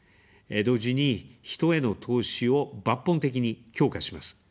同時に、人への投資を抜本的に強化します。